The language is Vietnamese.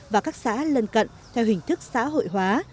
và các xã lân cận theo hình thức xã hội hóa